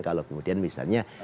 kalau kemudian misalnya